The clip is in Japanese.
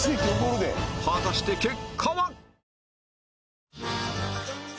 果たして結果は？